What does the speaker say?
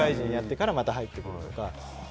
社会人やってから、また入ってくるとか。